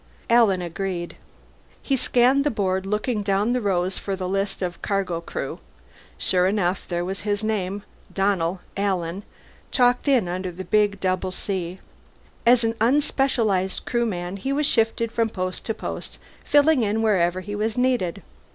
Alan agreed. He scanned the board, looking down the rows for the list of cargo crew. Sure enough, there was his name: Donnell, Alan, chalked in under the big double C. As an Unspecialized Crewman he was shifted from post to post, filling in wherever he was needed.